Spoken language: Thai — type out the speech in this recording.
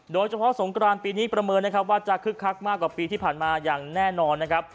สงกรานปีนี้ประเมินนะครับว่าจะคึกคักมากกว่าปีที่ผ่านมาอย่างแน่นอนนะครับ